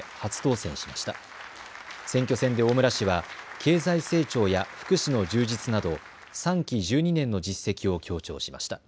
選挙戦で大村氏は経済成長や福祉の充実など３期１２年の実績を強調しました。